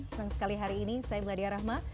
senang sekali hari ini saya meladia rahma